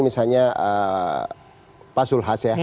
misalnya pak zulhas ya